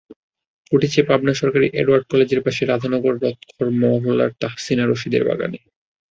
ফুটেছে পাবনা সরকারি এডওয়ার্ড কলেজের পাশে রাধানগর রথঘর মহল্লার তাহসিনা রশিদের বাগানে।